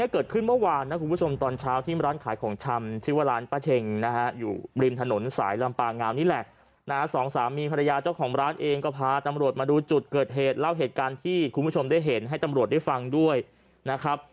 เกิดขึ้นเมื่อวานนะคุณผู้ชมตอนเช้าที่ร้านขายของชำชื่อว่าร้านป้าเช็งนะฮะอยู่ริมถนนสายลำปางาวนี่แหละนะฮะสองสามีภรรยาเจ้าของร้านเองก็พาตำรวจมาดูจุดเกิดเหตุเล่าเหตุการณ์ที่คุณผู้ชมได้เห็นให้ตำรวจได้ฟังด้วยนะครับ